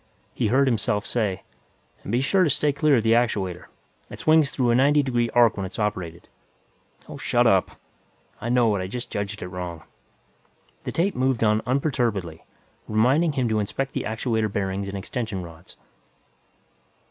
He heard himself say, "And be sure to stay clear of the actuator. It swings through a ninety degree arc when it's operated." "Oh, shut up! I know it; I just judged it wrong." The tape moved on unperturbedly, reminding him to inspect the actuator bearings and extension rods.